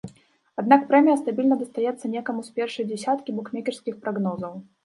Аднак прэмія стабільна дастаецца некаму з першай дзясяткі букмекерскіх прагнозаў.